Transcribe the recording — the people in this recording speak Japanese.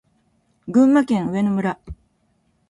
群馬県上野村